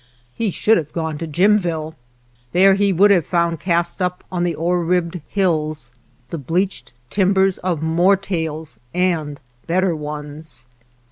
He should have gone to Jimville. There he would have found cast up on the ore ribbed hills the bleached timbers of more tales, and better ones.